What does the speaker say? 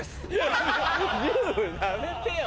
龍やめてよ